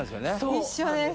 一緒です。